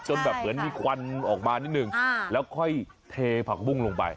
จนแบบเหมือนมีควันออกมานิดนึงแล้วค่อยเทผักบุ้งลงไป